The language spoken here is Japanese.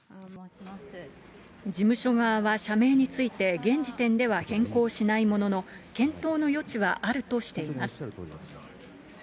事務所側は社名について、現時点では変更しないものの検討の余地はあるとしています。